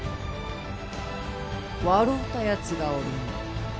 笑うたやつがおるの。